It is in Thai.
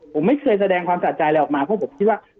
ผมไม่เคยแสดงความสะใจอะไรออกมาเพราะผมคิดว่า